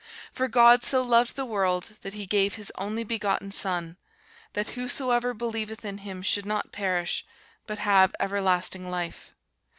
For God so loved the world, that he gave his only begotten Son, that whosoever believeth in him should not perish, but have everlasting life.